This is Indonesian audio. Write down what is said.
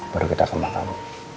baru kita ke makam